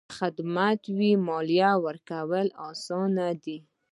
که خدمات وي، مالیه ورکول اسانه دي؟